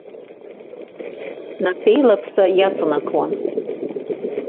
Напеилаԥса иаҵанакуан.